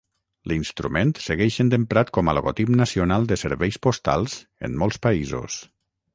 L'instrument segueix sent emprat com a logotip nacional de serveis postals en molts països.